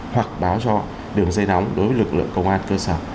hoặc báo cho đường dây nóng đối với lực lượng công an cơ sở